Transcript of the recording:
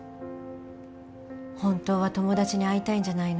本当は友達に会いたいんじゃないの？